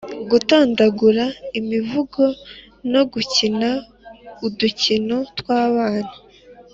-gutondagura imivugo no gukina udukino tw’abana